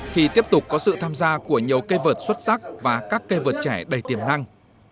khi tiếp tục có sự tham gia của nhiều cây vượt xuất sắc và các cây vượt trẻ đầy tiềm năng